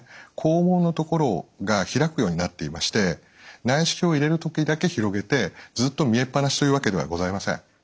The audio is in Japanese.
肛門の所が開くようになっていまして内視鏡を入れる時だけ広げてずっと見えっぱなしというわけではございません。